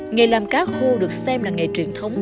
nghề làm cá khô được xem là nghề truyền thống